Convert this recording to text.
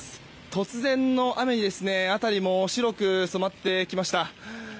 突然の雨に辺りも白く染まってきました。